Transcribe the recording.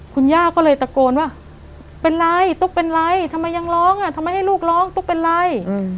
คุณย่าก็เลยตะโกนว่าเป็นไรตุ๊กเป็นไรทำไมยังร้องทำไมให้ลูกร้องตุ๊กเป็นไร